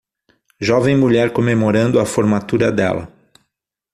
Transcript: Jovem mulher comemorando a formatura dela.